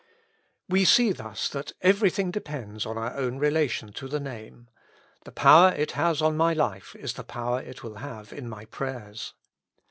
We see thus that everything depends on our own relation to the Name ; the power it has on my life is the power it will have in my prayers.